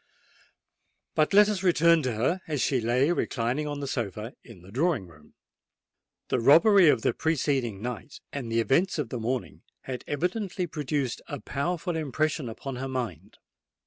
But let us return to her, as she lay reclining on the sofa in the drawing room. The robbery of the preceding night and the events of the morning had evidently produced a powerful impression upon her mind.